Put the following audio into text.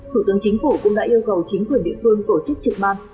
thủ tướng chính phủ cũng đã yêu cầu chính quyền địa phương tổ chức trực ban